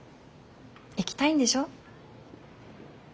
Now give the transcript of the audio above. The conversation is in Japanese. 行きたいんでしょ？